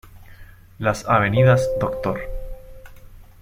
Las avenidas Dr.